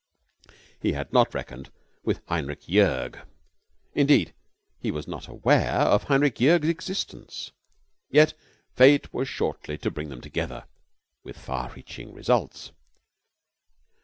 He had not reckoned with Heinrich Joerg. Indeed, he was not aware of Heinrich Joerg's existence. Yet fate was shortly to bring them together, with far reaching results.